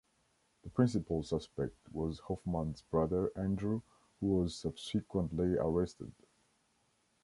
The principal suspect was Hoffman's brother Andrew, who was subsequently arrested.